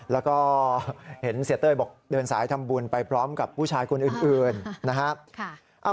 แล้วก็เห็นเสียเต้ยบอกเดินสายทำบุญไปพร้อมกับผู้ชายคนอื่นนะครับ